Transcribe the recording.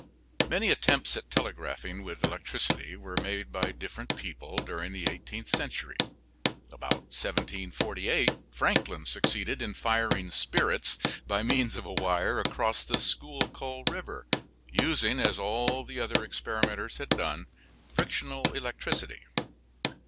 Many attempts at telegraphing with electricity were made by different people during the eighteenth century. About 1748 Franklin succeeded in firing spirits by means of a wire across the Schuylkill River, using, as all the other experimenters had done, frictional electricity.